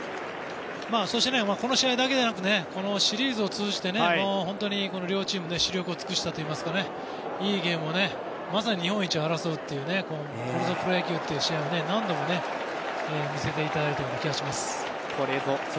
そして、この試合だけでなくシリーズを通じて両チーム死力を尽くしたといいますかいいゲームをまさに日本一を争うというこれぞプロ野球という試合を何度も見せていただいた気がします。